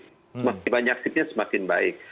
semakin banyak sip nya semakin baik